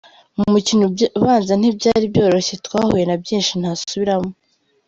Mu mukino ubanza ntibyari byoroshye, twahuye na byinshi ntasubiramo.